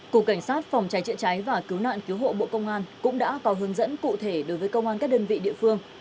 cục cảnh sát phòng cháy chữa cháy và cứu nạn cứu hộ bộ công an cũng đã có hướng dẫn cụ thể đối với công an các đơn vị địa phương